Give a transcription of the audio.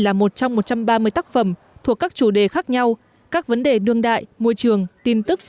là một trong một trăm ba mươi tác phẩm thuộc các chủ đề khác nhau các vấn đề đương đại môi trường tin tức